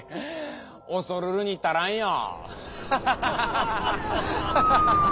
おそるるに足らんよ。